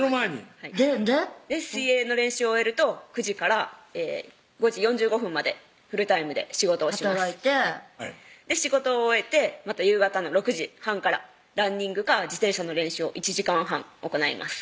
はい水泳の練習を終えると９時から５時４５分までフルタイムで仕事をします働いて仕事を終えてまた夕方の６時半からランニングか自転車の練習を１時間半行います